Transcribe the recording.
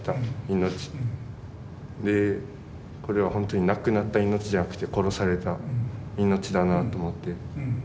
これは本当になくなった命じゃなくて殺された命だなあと思って。